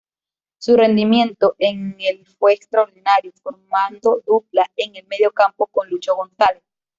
Su rendimiento en el fue extraordinario, formando dupla en el mediocampo con "Lucho" González.